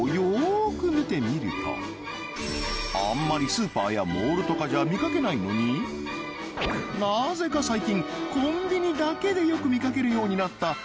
あんまりスーパーやモールとかじゃ見かけないのになぜか最近コンビニだけでよく見かけるようになった